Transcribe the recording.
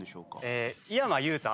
え井山裕太。